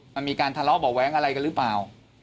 มันมีการทะเลาะเบาะแว้งอะไรกันหรือเปล่า